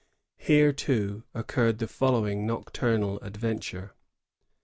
Here, too, occurred the follow ing nocturnal adventure.